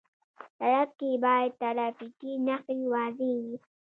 سړک کې باید ټرافیکي نښې واضح وي.